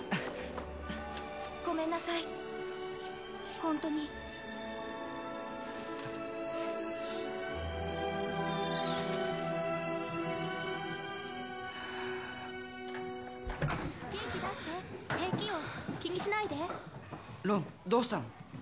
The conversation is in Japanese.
ホントにはぁ元気出して平気よ気にしないでロンどうしたの？